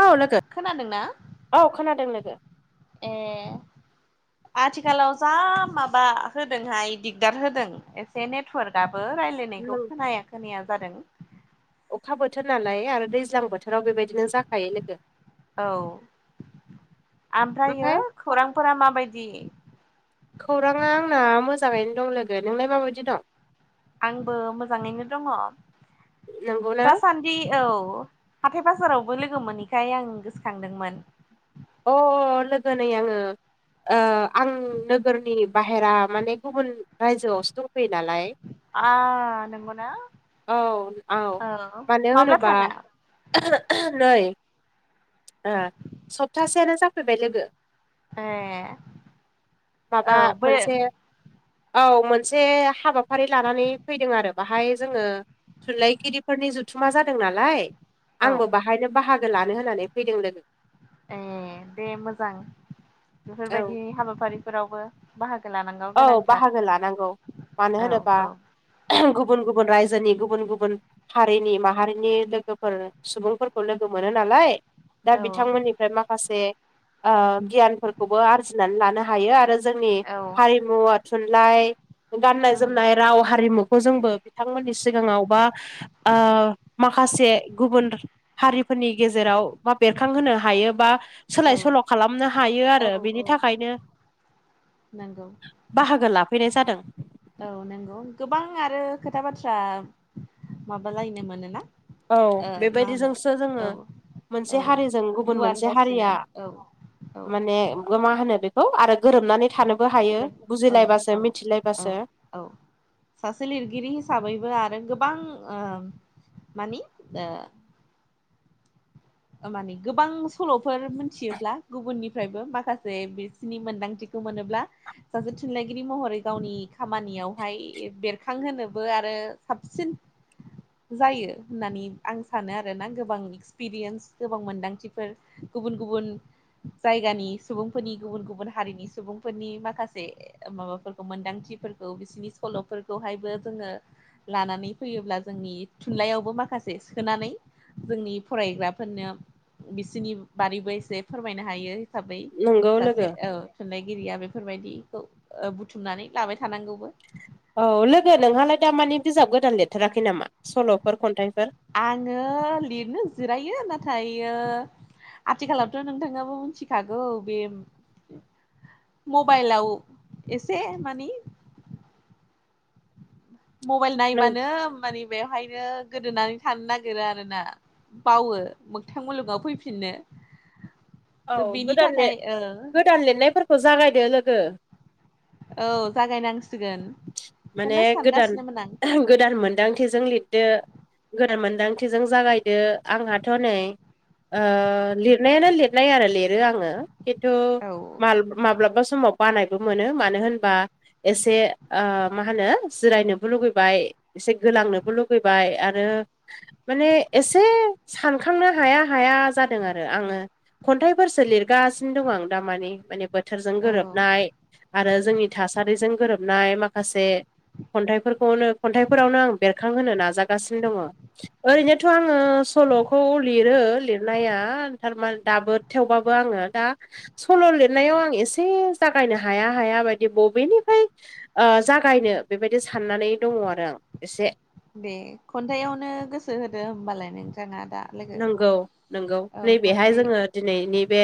औ लोगो खोनादोंनाा औ खोनादों लोगो ए आथिखालाव जा माबा होदोंहाय दिगदार होदों एसे नेटवर्कआबो राय्लायनो होनखौ नों खोनाया खोनाया जादों अखा बोथोर नालाय आरो दैज्लां बोथोराव बेबायदिनो जाखायो लोगो औ ओमफ्राय ओमफ्र खौरांफोरा माबायदि खौराङा आंना मोजाङैनो दं लोगो नोंलाय माबायदि दं आंबो मोजाङैनो दङ नंगौना दासान जि औ हाथथाय बाजारावबो लोगो मोनैखाय आं गोसोखांदोंमोन अ लोगो नै आङो आं नोगोरनि बाहेरा माने गुबुन रायजोआवसो दंफैयो नालाय नोंगौना औ औ मानो माब्ला होनोबा थाङा नै सप्तासेआानो जाफैबाय लोगो ए औ माबा बे मोनसे औ मोनसे हाबाफारि लानानै फैदों आरो बाहाय जोङो थुनलाइगिरिफोरनि ज सुथुमा जादों नालाय औ आंबो बाहायनो बाहागो लानो होननानै फैदों लोगो ए दे मोजां औ बेफोरबायदि हाबाफारिफोरावबो बाहागो लानांगौ औ बाहागो लानांगौ गोनांथार मानो औ होनोबा औ गुबुन गुबुन रायजोनि गुबुन गुबुन हारिनि माहारिनि लोगोफोर सुबुंफोरखौ लोगो मोनो नालाय दा औ बिथांमोननि फ्राय माखासे गियानफोरखौबो आरजिनानै लानो हायो आरो जोंनि हमु आ थुनलाइ गाननाय उम जोमनाय राव हारिमुखौ जोंबो बिथांमोननि सिगाङाव बा माखासे गुबुन हारिफोरनि गेजेराव मा बेरखांहोनो हायो बा औ सोलाय सोल' खालामनो हायो औ आरो बेनि थाखायनो नांगौ बाहागो लाफैनाय जादों औ नंगौ गोबां आरो खोथा बाथ्रा माबालायनो मोनो ना औ बेबायदिजोंसो जोङो मोनसे औ हारिजों गुबुन गुवार मोनसे जासिनो हारिया औ औ माने मा होनो बेखौ आरो गोरोबनानै थानोबो हायो गोरोब औ बुजिलायबासो औ मिथिलायबासो औ औ सासे लिरगिरि हिसाबैबो आरो गोबां मानि आ माने गोबां सल'फोर मिथियोब्ला गुबुननि फ्रायबो माखासे बिसिनि मोनदांथिखौ मोनोब्ला सासे थुनलाइगिरि महरै गावनि खामानियावहाय बेरखांहोनोबो आरो साबसिन जायो होननानै आं सानो आरोना गोबां एक्सपिरियेन्स गोबां मोनदांथिफोर गुबुन गुबुन जायगानि सुबुंफोरनि गुबुन गुबुन हारिनि सुबुंफोरनि माखासे माबाफोरखौ मोनदांथिफोरखौ बिसिोरनि सल'फोरखौहायबो जोङो लानानै फैयोब्ला जोंनि थुनलाइयावबो माखासे सोनानै जोंनि फरायग्रा फोरनो बिसोरनि बारैबो एसे फोरमायनो हायो हिसाबै नंगौ सासे लोगो थुनलाइगिरिया बेफोरबायदिखौ बुथुमनानै लाबाय थानांगौबो औ लोगो नोंहालाय दा मानिे बिजाब गोदान लिरथाराखै नामा सल'फोर खन्थाइफोर आङो लिरनो जिरायो ना आथिखालावथ' नोंथाङाबो मिथिखागौ बे मबाइलाव एसे मानि मबाइल नों नायबानो मानिे बेवहायनो गोदोनानै थानो नागिरो आरोना बावो मोोगथां मुलुगाव फैफिननो औ थ' बेनि गोदान थाखाय ओ गोदान लिरनायफोरखौ जागायदो लोगो औ जागायनांसिगोन माने बेखौनो गोदान सानगासिनोमोन आं गोदानमोन मोनदांथिजों लिरदो गदान मोनदांथिजों जागायदो आंहाथ' नै ओ लिरनायानो लिरनाय आरो लिरो आङो खिन्थु औ माल माब्लाबा समाव बानायबो मोनो मानो होनबा एसे मा होनो जिरायनोबो लुगैबाय एसे गोलांनोबो लुगैबाय आरो माने एसे सानखांनो हाया हाया जादों आरो आङो खन्थाइफोरसो लिरगासिनो दं आं दामानि माने बोथोरजों औ गोरोबनाय आरो जोंनि थासारिजों गोरोबनाय माखासे खन्थाइफोरखौनो खन्थाइफोरावनो आं बेरखांहोनो नाजागासिनो दङ। ओरैनोथ' आङो सल'खौ लिरो लिरनाया थारमान दाबो थेवबाबो आङो दा सल' लिरनायाव आं एसे जागायनो हाया हाया बायदि बबेनिफ्राय ओ जागायनो बेबायदि साननानै दङ आरो आं एसे दे खन्थायावनो गोसो होदो होमबालाय नोंथाङा दा लोगो नंगौ नंगौ औ नैबेहाय खन्थाइ जोङो दिनैनि बे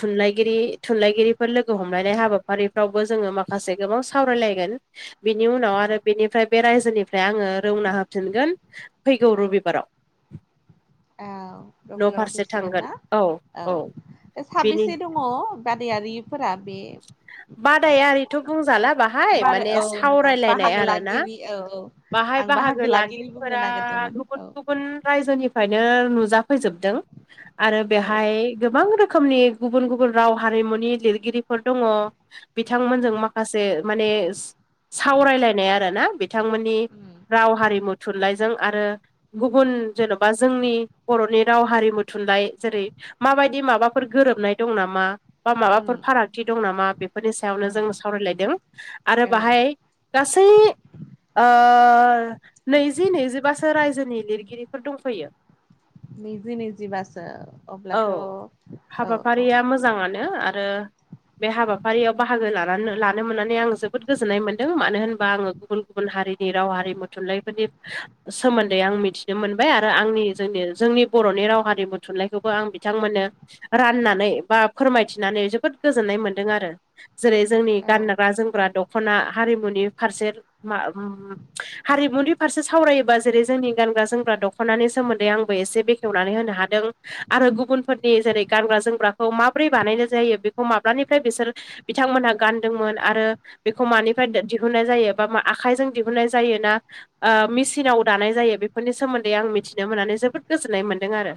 थुनलाइगिरि थुनलाइगिरिफोर लोगो हमलायनाय हाबाफारिफ्रावबो जोङो माखासे माखासे गोबां सावरायलायगोन बिनि उनाव आरो बेनिफ्राय बे रायजोनिफ्राय आङो रौना होफिनगोन फैगौ रबिबाराव औ न' रबिबाराव फारसे फैसिगोन थांगोन ना औ औ बेनि साबसे दङ बादायारिफोरा बे बादायारिथ' बुंजाला बाहाय बार माने औ नंगौ सावरायलायनाय बाहागो आरोना लागिरि औ औ बाहाय आं बाहागो लागिरि बुंनो लागगिरिफोरा नागिरदोंमोन गुबुन औ गुबुन गुबुन रायजोनिफ्रायनो नुजाफैजोबदों आरो औ बेहाय गोबां रोखोमनि गुबुन गुबुन राव हारिमुनि लिरगिरि दङ बिथांमोनजों माखासे माने सावरायलाय आरोना बिथांमोननि उम राव हारिमु थुनलाइजों आरो गुबुन जेन'बा जोंनि बर'नि राव हारिमु थुनलाइ जेरै माबायदि माबाफोर गोरोबनाय दं नामा? बा माबाफोर उम फारागथि दं नामा बेफोरनि सायावनो जों उम सावरायलायदों आरो औ बाहाय गासै नैजि नैजिबासो रायजोनि लिरगिरिफोर दंफैयो नैजि नैजिबासो औ अब्लाथ' औ औ हाबाफारिया मोजाङानो आरो बे हाबाफारियाव बाहागो लानानै लानो मोननानै आं जोबोद गोजोननाय मोनदों मानो होनबा आङो गुबुन गुबुन हारिनि राव हारिमु थुनलाइफोरनि सोमोन्दै आं मिथिनो मोनबाय आरो आंनि जोंनि जोंनि बर'नि राव हारिमु थुनलाइखौबो आं बिथांमोननो राननानै बा फोरमायथिनानै जोबोद गोजोननाय मोनदों आरो जेरै जोंनि औ गानग्रा जोमग्रा दख'ना हारिमुनि फारसे मा हारिमुनि फारसे सावरायोबा जेरै जोंनि गानग्रा जोमग्रा दख'नानि सोमोन्दै आंबो एसे बे खेवनानै होनो हादों आरो गुबुनफोरनि जेरै गानग्रा जोमग्राखौ माबोरै बानायनाय जायो बे माब्लानिफ्राय बिसोर बिथांमोनहा गानदोंमोन आरो बेखौ मानिफ्राय दिहुननाय जायो बा मा आखाइजों दिहुननाय जायो ना मेसिनाव दानाय जायो बेफोरनि सोमोन्दै आं मिथिनो मोननानै जोबोद गोजोननाय मोन्दों आरो।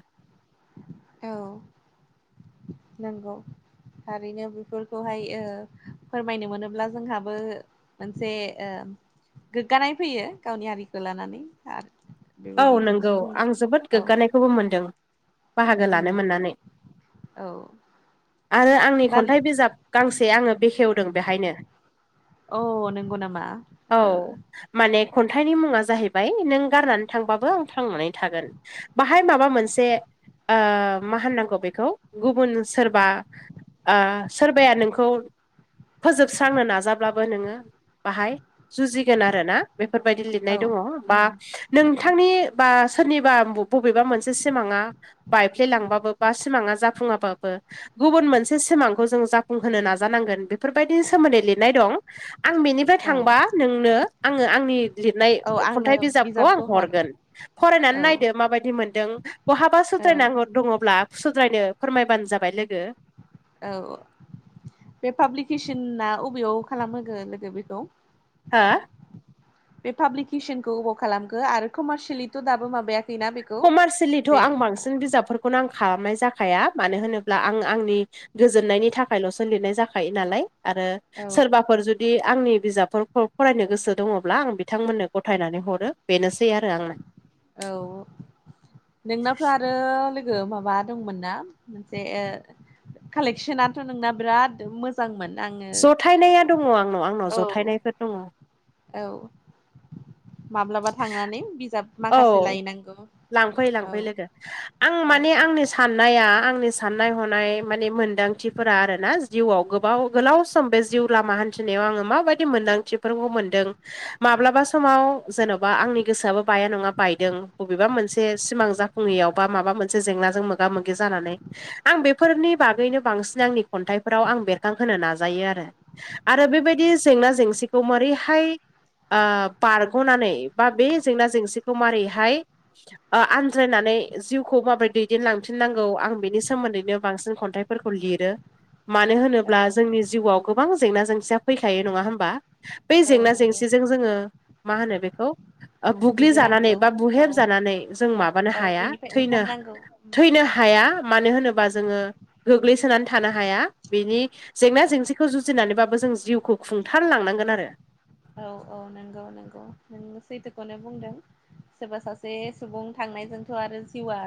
औ नंगौ थारैनो बेफोरखौहाय फोरमायनो मोनोब्ला जोंहाबो मोनसे गोग्गानाय फैयो गावनि हारिखौ लानानै आरो औ बेबायदि नंगौ दिन्थिफुंनो आं जोबोद औ गोग्गानायखौबो मोनदों। बाहागो उम लानो मोननानै औ आरो आंनि दा खन्थाइ बिजाब गांसे आङो बेखेवदों बेहायनो औ नंगौ नामा औ ओ माने खन्थाइनि मुङा जाहैबाय नों गारनानै थांबाबो आं थांनानै थागोन बाहाय माबा मोनसे ओ मा होननांगौ बेखौ गुबुन सोरबा ओ सोरबाया नोंखौ फोजोबस्रांनो नाजाब्लाबो नोङो बाहाय जुजिगोन आरो ना बेफोरबायदि औ लिरनाय दङ बा उम औ [unintelligible] बा सोरनिबा बबेबा मोनसे सिमाङा बायफ्लेलांबाबो बा सिमाङा जाफुङाबाबो गुबुन मोनसे सिमांखौ जों जाफुंहोनो नाजानांगोन बेफोरबायदिनि सोमोन्दै लिरनाय दं आं बेनिफ्राय औ थांबा नोंनो आङो आंनि लिरनाय औ आंनो खन्थाइ बिजाब बिजाबखौ हर हरगोन फरायनानै औ नायदो माबायदि मोनदों बहाबा औ सुद्रायनांगौ फोर दङब्ला सुद्रायनो फोरमायबानो जाबाय लोगो औ बे पाब्लिकेसना अबेयाव खालामहोगोन लोगो बेखौ हो? बे पाब्लिकेसनखौ अबाव खालामखो आरो कमारसियेलिथ' दाबो माबाया कमारसियेलिथ' आं बांसिन बिजाबफोरखौनो आं खालामनाय जाखाया मानो होनोब्ला आं आंनि गोजोननायनि थाखायल'सो लिरनाय जाखायो नालाय आरो औ सोरबाफोर जुद दि आंनि बिजाबफोरखौ फरायनो गोसो दङब्ला आं बिथांमोननो गथायनानै हरो बेनोसै आरो आंना औ नोंनावथ' आरो लो गो माबा दंमोनना मोनसे ओ कालेकसनाथ' नोंना बिराद मो जांमोन आङो जथायनाया दङ आंनाव आंनाव औ जथायनायफोर दङ औ माब्लाबा थांनानै बिजाब औ माखासे लायनांगौ लांफै औ लांफै लोगो आं औ माने आंनोस साननाया आंनि साननाय हनाय माने मोन्दांथिफोरा आरो ना जिउआव गोब बाव गोलाव सम बे जिउ लामा हान्थिनायाव आङो माबायदि मोन्दांथिफोरखौ मोनदों माब्लाबा समाव जेन'बा आंनि गोसोआबो बाया नङा बायदों बबेबा मोनसे सिमां जाफुङैयावबा माबा मोनसे जेंनाजों मोगा मोगि जानानै आं बेफोरनि बागैनो बांसिन आंनि खन्थाइफोराव आं बेरखांहोनो नाजायो आरो आरो बेबायदि जेंना जेंसिखौ मोरैहाय ओ बारग'नानै बा बे जेंना जेंसिखौ मारैहाय ओ आनज्रायनानै जिउखौ माबोरै दैदेनलांफिननांगौ आं बिनि सोमोन्दैनो बांसिन खन्थाइ फोरखौ लिरो मानो औ होनोब्ला जोंनि जिउआव गोबां जेंना जेंसिया फैखायो नङा होमबा बै औ जेंना नंगौ जेंसिजों जोङो मा होनो बेखौ ओ बुग्लिजानानै जुजिनांगौ बा औ बुहेब जानानै जों माबानो बाबो हाया बेनिफ्राय थैनो ओंखारनांगौ उम थैनो हाया मानो होनोबा उम जोङो गोग्लैसोनानै थानो हाया बिनि जेंना जेंसिखौ जुजिनानैबाबो जों जिउखौ खुंथार लांनांगोन आरो औ औ नंगौ नंगौ नोङो सैथोखौनो बुंदों सोरबा सासे सुबुं थांनायजोंथ' आरो जिउआ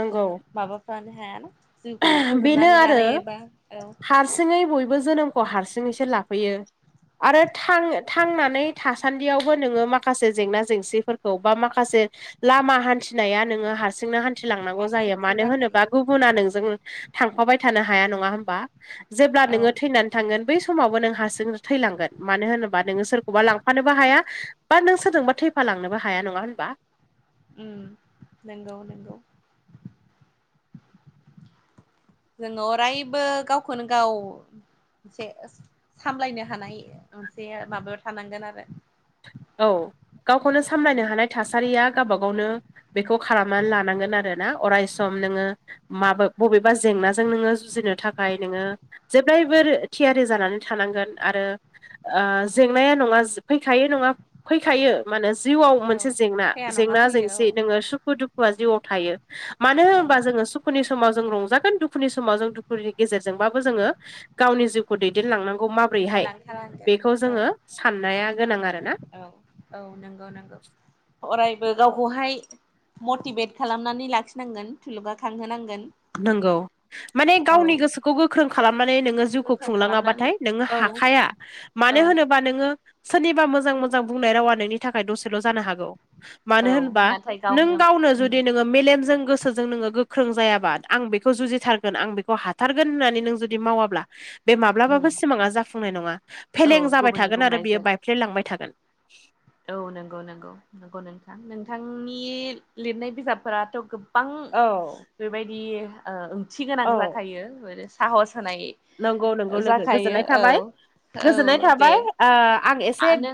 नंगौ माबाफानो हायाना जिउखौ बेनो फोजोबनानै आरो लानाय एबा ओ हारसिङै बयबो जोनोमखौ हारसिङैसो लाफैयो आरो थां-थांनानै थासान्दियावबो नोङो माखासे जेंना जेंसिफोरखौ बा माखासे लामा हान्थिनाया नोङो हारसिंनो हान थि लांनांगौ जायो हारसिंसो मानो होनोबा जाखायो गुबुना नोंजों थांफाबाय थानो हाया नङा होमबा जेब्ला औ नोङो थैनानै थांगोन बै समावबो नों हारसिं थैलांगोन मानो होनोबा नोङो सोरखौबा लांफानोबो हाया बा नों सोरजोंबा थैफा लांनोबो हाया नङा होनबा उम नंगौ नंगौ जोङो अरायबो गावखौनो गाव सेस सामलायनो हानाय मोनसे माबायाव थानांगोन आरो औ गावखौनो औ सामलायनो हानाय थासारिया गावबा गावनो बेखौ खालामनानै लानांगोन आरोना अराय सम नोङो माबा बबेबा जेंनाजों नोङो जुजिनो थाखाय नोङो जेब्लायबो थियारि जानानै थानांगोन आरो ओ जेंनाया नङा फैखायो नङा फैखायो मा होनो जिउआव औ मोनसे जेंना फैया नङा जेंना फैयो जेंसि नोङो सुखु दुखुआ जिउआव थायो मानो औ होनोबा जोङो सु दुखुनि समाव जों रंजागोन दुखुनि समाव जों दुखुनि गेजेरजोंबाबो जोङो गावनि जिउखौ दैदेनलांनांगौ माब्रैहाय दैदेनलांथारनांगोन बेखौ औ जोङो साननाया गोनां आरोना औ औ नंगौ नंगौ अराय -बो गावखौहाय मटिभेट खालामनानै लाखिनांगोन थुलुंगाखांहोनांगोन नोंगौ माने गावनि गोसो खौ गोख्रों खालामनानै नोङो जिउखौ गोख्रों खालामनानै खुंलाङाबाथाय नोङो औ हाखाया औ मानो होनोबा नोङो सोरनिबा मोजां मोजां बुंनाय रावा नोंनि थाखाय दसेल' जानो हागौ मानो औ होनबा नाथाय नों गावनो उम जुदि नोङो मेलेमजों गोसोजों नोङो गोख्रों जायाबा आं बेखौ जुजिथारगोन आं बेखौ हाथारगोन होननानै नों जुदि मावाब्ला बे उम माब्लाबाबो सिमाङा जाफुंनाय नङा औ फेलें जाबाय गुबुननि थागोन आरो बेयो बुंनायजों बायफ्ले लांबाय थागोन औ नंगौ नंगौ नंगौ नोंथां नोंथांनि लिरनाय बिजाबफोराथ' गोब गोबां औ बेबायदि ओ ओंथि गोनां औ जाखायो बे साहस होनाय नंगौ नंगौ लोगो जाखायो गोजोननाय औ थाबाय गोजोननाय थाबाय ओ आं आ एसे नों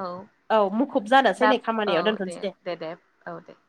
औ औ मुखुब जान दाब औ दे दे दे औ दे